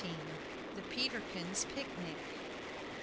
THE PETERKINS' PICNIC.